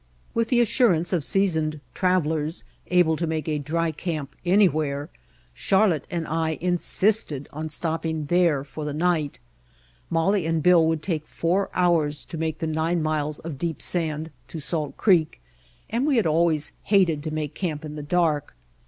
With the assurance of seasoned trav elers able to make a dry camp an5rwhere, Char lotte and I insisted on stopping there for the night. Molly and Bill would take four hours to make the nine miles of deep sand to Salt Creek, Snowstorm and Sandstorm and we always hated to make camp in the dark.